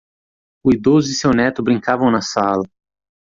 O idoso e seu neto brincavam na sala.